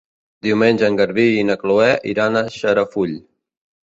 Diumenge en Garbí i na Chloé iran a Xarafull.